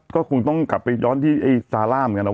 ก็คงต้องกลับไปย้อนที่ไอ้ซาร่าเหมือนกันนะ